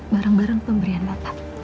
barang barang pemberian bapak